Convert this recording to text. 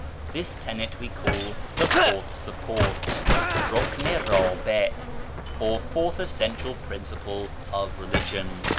This tenet we call ' the Fourth Support ' {Ruhn i rdbi), or fourth essential principle of religion."